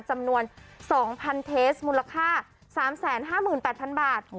จำนวน๒๐๐เทสมูลค่า๓๕๘๐๐๐บาท